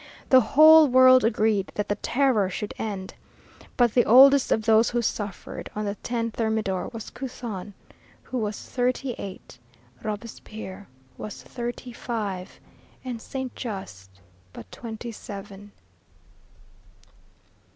The whole world agreed that the Terror should end. But the oldest of those who suffered on the 10 Thermidor was Couthon, who was thirty eight, Robespierre was thirty five, and Saint Just but twenty seven.